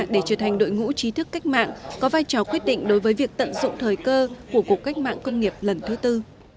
để trở thành đội ngũ trí thức cách mạng có vai trò quyết định đối với việc tận dụng thời cơ của cuộc cách mạng công nghiệp lần thứ tư